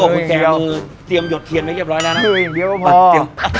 หุ่นแคมมือเตรียมหยดเทียนไว้เก็บร้อยแล้วนะครับเสื่ออันเดียวพอพอ